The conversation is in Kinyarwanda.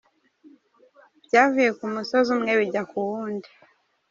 Byavuye ku musozi umwe bijya kuwundi.